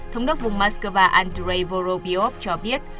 thống đốc vùng moscow andrei vorobyov cho biết